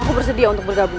aku bersedia untuk bergabung